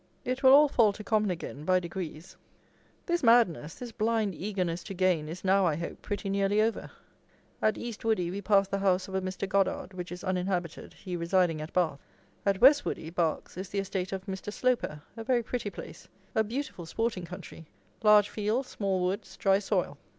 It will all fall to common again by degrees. This madness, this blind eagerness to gain, is now, I hope, pretty nearly over. At East Woody we passed the house of a Mr. Goddard, which is uninhabited, he residing at Bath. At West Woody (Berks) is the estate of Mr. Sloper, a very pretty place. A beautiful sporting country. Large fields, small woods, dry soil.